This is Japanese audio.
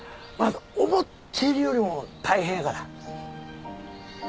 思ってるよりも大変やから。